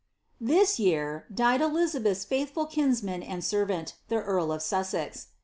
This year died Elizabeth's faithful kinsman and servant, the earl of Soisez.